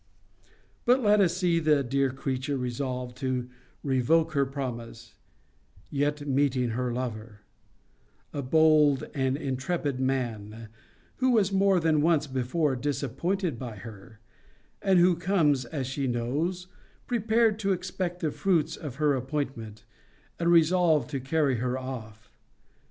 But let us see the dear creature resolved to revoke her promise, yet meeting her lover; a bold and intrepid man, who was more than once before disappointed by her; and who comes, as she knows, prepared to expect the fruits of her appointment, and resolved to carry her off.